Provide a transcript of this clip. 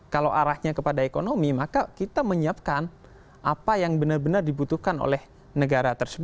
kalau arahnya kepada ekonomi maka kita menyiapkan apa yang benar benar dibutuhkan oleh negara